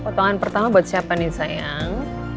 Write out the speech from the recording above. potongan pertama buat siapa nih sayang